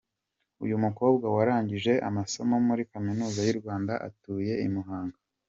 Uyu mukobwa warangije amasomo muri Kaminuza y’u Rwanda, atuye i Muhanga.